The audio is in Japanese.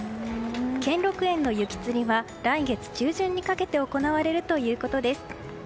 兼六園の雪つりは来月中旬にかけて行われるということです。